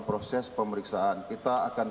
proses pemeriksaan kita akan